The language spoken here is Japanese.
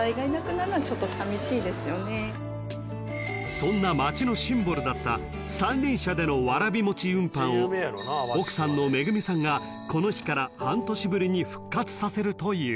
［そんな町のシンボルだった三輪車でのわらび餅運搬を奥さんの惠さんがこの日から半年ぶりに復活させるという］